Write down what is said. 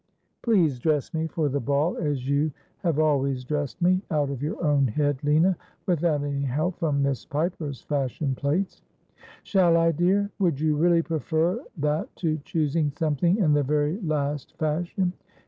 Please dress me for the ball as you have always dressed me, out of your own head, Lina, without any help from Miss Piper's fashion plates.' ' Shall I, dear ? Would you really prefer that to choosing something in the very last fashion